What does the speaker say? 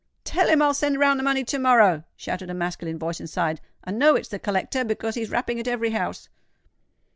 "Tell him I'll send round the money to morrow," shouted a masculine voice inside. "I know it's the collector, because he's rapping at every house."